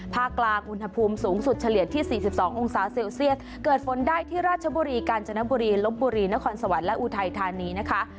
กลางอุณหภูมิสูงสุดเฉลี่ยที่๔๒องศาเซลเซียสเกิดฝนได้ที่ราชบุรีกาญจนบุรีลบบุรีนครสวรรค์และอุทัยธานีนะคะ